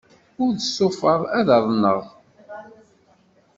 Ur stufaɣ ad aḍneɣ.